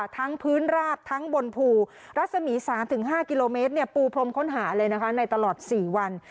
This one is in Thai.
พื้นราบทั้งบนภูรัศมี๓๕กิโลเมตรปูพรมค้นหาเลยนะคะในตลอด๔วัน